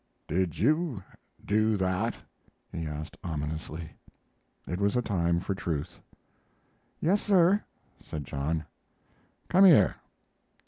"Did you do that?" he asked, ominously. It was a time for truth. "Yes, sir," said John. "Come here!"